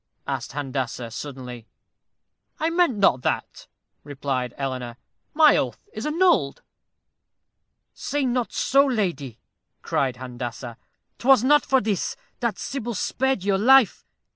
asked Handassah, suddenly. "I meant not that," replied Eleanor. "My oath is annulled." "Say not so, lady," cried Handassah "'twas not for this that Sybil spared your life.